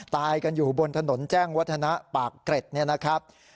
ตายกันอยู่บนถนนแจ้งวัฒนะปากเกร็ดเนี่ยนะครับ